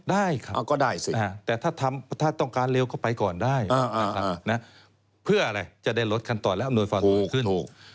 ได้ครับแต่ถ้าต้องการเร็วก็ไปก่อนได้นะครับเพื่ออะไรจะได้ลดคันต่อและอำนวยฟันมากขึ้น